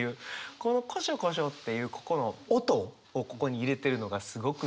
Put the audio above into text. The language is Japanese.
この「コショコショ」っていうここの音をここに入れてるのがすごくすてきだな。